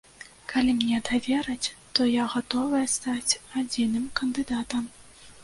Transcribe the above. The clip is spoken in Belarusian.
Калі мне давераць, то я гатовая стаць адзіным кандыдатам.